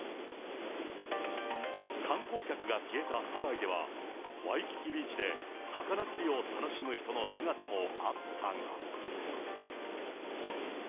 観光客が消えたハワイでは、ワイキキビーチで魚釣りを楽しむ人の姿もあったが。